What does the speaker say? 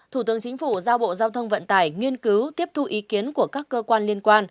thủ tướng chính phủ giao bộ giao thông vận tải nghiên cứu tiếp thu ý kiến của các cơ quan liên quan